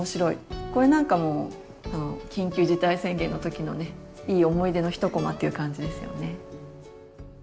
これなんかも多分緊急事態宣言の時のねいい思い出の一こまっていう感じですよね。